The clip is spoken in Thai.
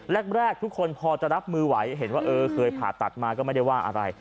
แรกทุกคนพอจะรับมือไหวเห็นว่าเออเคยผ่าตัดมาก็ไม่ได้ว่าอะไร